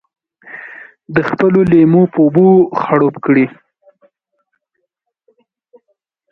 د خپلو لېمو په اوبو خړوب کړي.